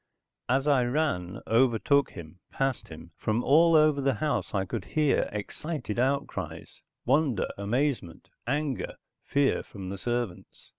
As I ran, overtook him, passed him, from all over the house I could hear excited outcries, wonder, amazement, anger, fear from the servants.